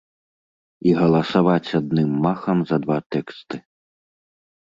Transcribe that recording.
І галасаваць адным махам за два тэксты.